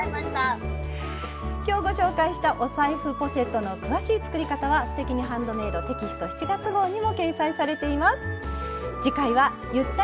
今日ご紹介したお財布ポシェットの詳しい作り方は「すてきにハンドメイド」テキスト７月号にも掲載されています。